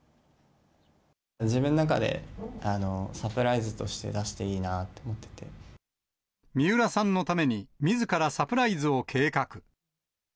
自分の中でサプライズとして三浦さんのために、みずからサプライズを計画。